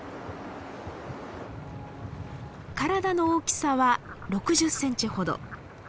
体の大きさは６０センチほど。